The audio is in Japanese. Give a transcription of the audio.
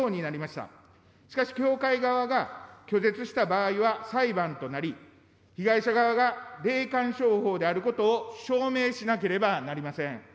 しかし、教会側が拒絶した場合は裁判となり、被害者側が霊感商法であることを証明しなければなりません。